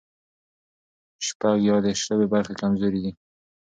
شپږ یادې شوې برخې کمزوري دي.